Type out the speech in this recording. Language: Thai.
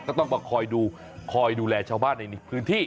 ต้องมาคอยดูคอยดูแลชาวบ้านในพื้นที่